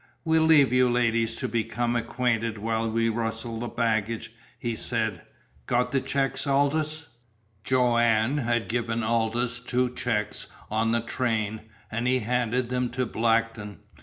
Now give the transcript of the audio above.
"We'll leave you ladies to become acquainted while we rustle the baggage," he said. "Got the checks, Aldous?" Joanne had given Aldous two checks on the train, and he handed them to Blackton.